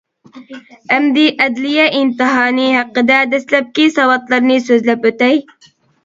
ئەمدى ئەدلىيە ئىمتىھانى ھەققىدە دەسلەپكى ساۋاتلارنى سۆزلەپ ئۆتەي.